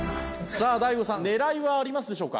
さあ大悟さん狙いはありますでしょうか？